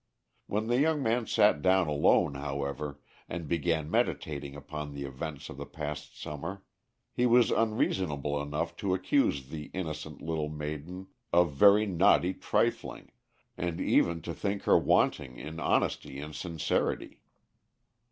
When the young man sat down alone, however, and began meditating upon the events of the past summer, he was unreasonable enough to accuse the innocent little maiden of very naughty trifling, and even to think her wanting in honesty and sincerity.